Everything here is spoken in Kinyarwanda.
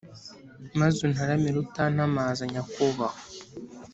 Maze untaramire utantamaza nyakubahwa?